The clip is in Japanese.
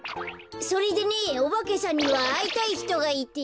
それでねオバケさんにはあいたいひとがいて。